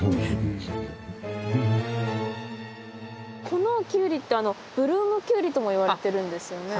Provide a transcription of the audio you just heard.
このキュウリってブルームキュウリともいわれてるんですよね？